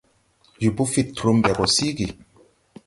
Jobo fid trum ɓɛ gɔ síigì.